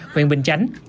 huyện bình chánh